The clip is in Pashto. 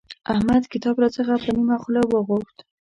احمد کتاب راڅخه په نيمه خوله وغوښت.